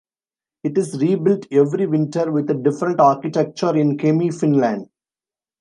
It is rebuilt every winter with a different architecture in Kemi, Finland.